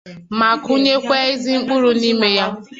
ma kụnyekwa ezi mkpụrụ n'ime ya